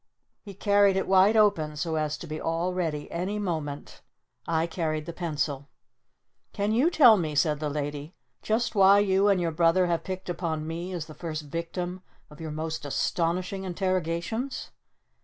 He carried it wide open so as to be all ready any moment. I carried the pencil. "Can you tell me," said the Lady, "just why you and your brother have picked upon me as the first victim of your most astonishing interrogations?"